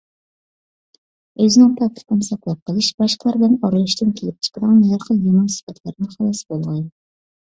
ئۆزىنىڭ پاكلىقىنى ساقلاپ، باشقىلار بىلەن ئارىلىشىشتىن كېلىپ چىقىدىغان ھەر خىل يامان سۈپەتلەردىن خالاس بولغاي.